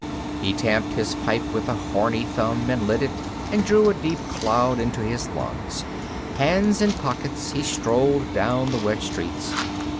He tamped his pipe with a horny thumb and lit it and drew a deep cloud into his lungs. Hands in pockets, he strolled down the wet streets.